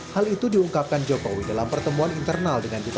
hal itu diungkapkan jokowi dalam pertemuan internal dengan jokowi